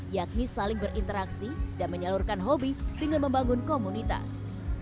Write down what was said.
yakni saling berinteraksi dan menyalurkan hobi dengan membangun komunitas